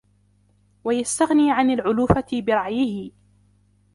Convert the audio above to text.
وَيَسْتَغْنِي عَنْ الْعُلُوفَةِ بِرَعْيِهِ